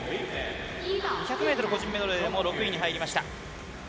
１００ｍ個人メドレーでも６位に入りました。